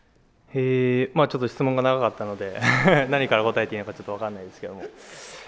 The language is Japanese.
ちょっと質問が長かったので何から答えていいのかちょっと分からないですけれども。